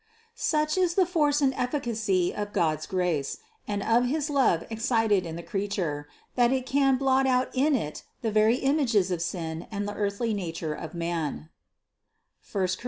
Such is the force and efficacy of God's grace, and of his love excited in the creature, that it can blot out in it the very images of sin and the earthly nature of man, (I Cor.